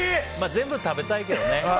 全部食べたいけどね。